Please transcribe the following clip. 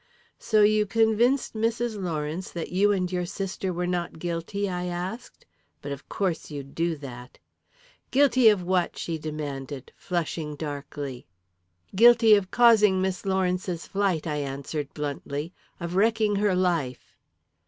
"So you convinced Mrs. Lawrence that you and your sister were not guilty?" I asked. "But of course you'd do that!" "Guilty of what?" she demanded, flushing darkly. "Guilty of causing Miss Lawrence's flight," I answered bluntly. "Of wrecking her life."